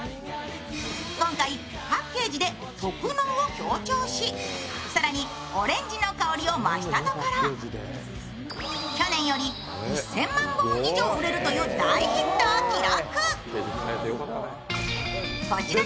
今回、パッケージで特濃を強調し、更にオレンジの香りを増したところ去年より１０００万本以上売れるという大ヒットを記録。